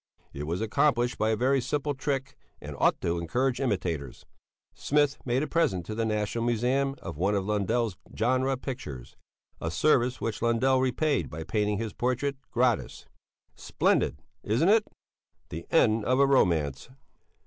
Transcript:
It was accomplished by a very simple trick and ought to encourage imitators. Smith made a present to the National Museum of one of Lundell's genre pictures, a service which Lundell repaid by painting his portrait gratis! Splendid! Isn't it? The end of a romance.